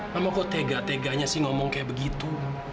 mama kok tega teganya sih ngomong kayak begitu